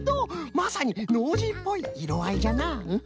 まさにノージーっぽいいろあいじゃなフフフ。